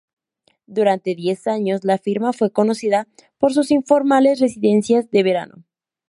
Durante diez años, la firma fue conocida por sus informales residencias de verano.